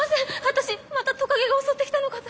私またトカゲが襲ってきたのかと。